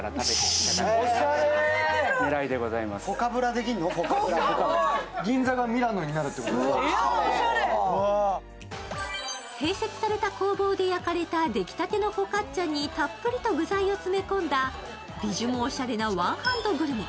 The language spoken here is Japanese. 以前のパン屋さんスタイルから一新して併設された工房で焼かれた出来たてのフォカッチャにたっぷりと具材を詰め込んだビジュもおしゃれなワンハンドグルメ。